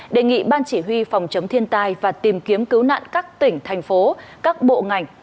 đề nghị ban chỉ huy phòng chống thiên tai và tìm kiếm cứu nạn các tỉnh thành phố các bộ ngành